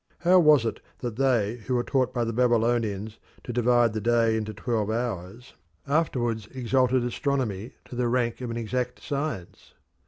How was it that they who were taught by the Babylonians to divide the day into twelve hours afterwards exalted astronomy to the rank of an exact science?